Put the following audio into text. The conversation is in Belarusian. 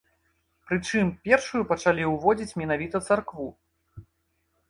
Прычым, першую пачалі ўзводзіць менавіта царкву.